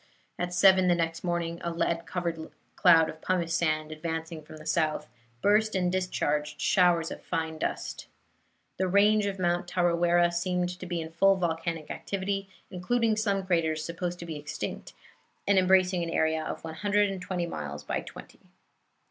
At seven the next morning a lead covered cloud of pumice sand, advancing from the south, burst and discharged showers of fine dust. The range of Mount Tarawera seemed to be in full volcanic activity, including some craters supposed to be extinct, and embracing an area of one hundred and twenty miles by twenty.